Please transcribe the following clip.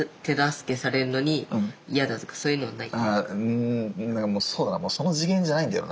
うんなんかもうそうだなその次元じゃないんだよ